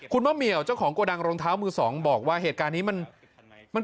คุณมะเหมียวเจ้าของโกดังรองเท้ามือสองบอกว่าเหตุการณ์นี้มัน